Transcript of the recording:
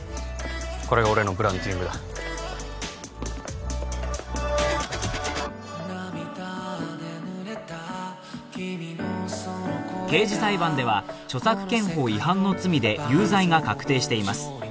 これが俺のブランディングだ刑事裁判では著作権法違反の罪で有罪が確定しています